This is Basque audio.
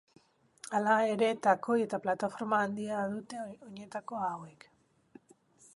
Hala ere, takoi eta plataforma handia dute oinetako hauek.